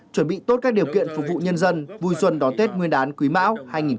chuẩn bị tốt các điều kiện phục vụ nhân dân vui xuân đón tết nguyên đán quý mão hai nghìn hai mươi bốn